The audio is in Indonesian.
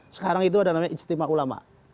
sekarang itu ada namanya ijtima ulama